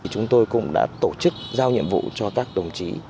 chúng tôi cũng đã tổ chức giao nhiệm vụ cho các đồng chí